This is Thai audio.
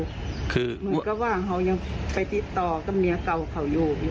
เหมือนกับว่าเขายังไปติดต่อกับเมียเก่าเขาอยู่